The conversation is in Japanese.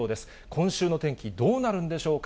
今週の天気、どうなるんでしょうか。